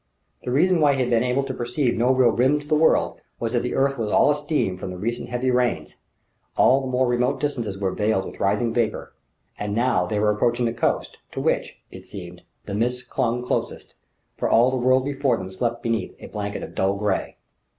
The reason why he had been able to perceive no real rim to the world was that the earth was all a steam from the recent heavy rains; all the more remote distances were veiled with rising vapour. And now they were approaching the coast, to which, it seemed, the mists clung closest; for all the world before them slept beneath a blanket of dull grey.